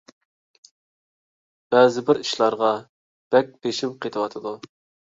بەزىبىر ئىشلارغا بەك بېشىم قېتىۋاتىدۇ.